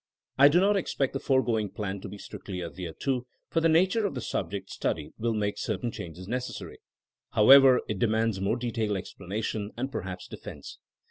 I do not expect the foregoing plan to be strictly adhered to, for the nature of the sub ject studied will make certain changes necessary. However, it demands more detailed explanation and perhaps defense.